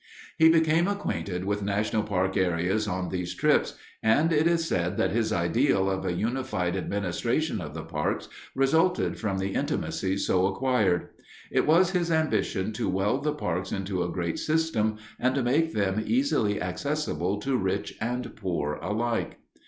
He became acquainted with national park areas on these trips, and it is said that his ideal of a unified administration of the parks resulted from the intimacies so acquired. It was his ambition to weld the parks into a great system and to make them easily accessible to rich and poor alike.